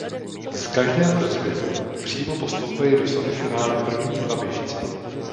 Z každého rozběhu přímo postoupili do semifinále první dva běžci.